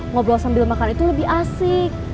ngobrol sambil makan itu lebih asik